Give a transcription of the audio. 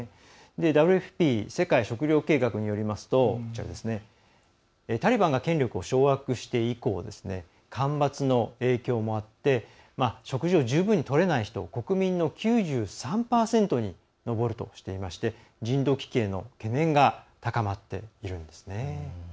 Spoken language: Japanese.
ＷＦＰ＝世界食糧計画によるとタリバンが権力を掌握して以降干ばつの影響もあって食事を十分にとれない人国民の９３％に上るとしていて人道危機への懸念が高まっているんですね。